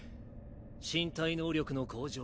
身体能力の向上